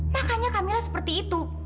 makanya camilla seperti itu